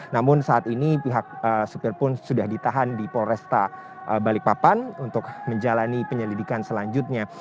namun saat ini pihak supir pun sudah ditahan di polresta balikpapan untuk menjalani penyelidikan selanjutnya